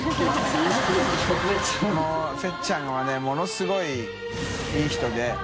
海せっちゃんはねものすごいいい人で。